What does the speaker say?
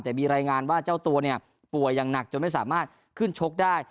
แต่มีรายงานว่าเจ้าตัวเนี่ยป่วยอย่างหนักจนไม่สามารถขึ้นชกได้